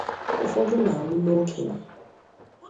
ụfọdụ na-anwụ n'okenyè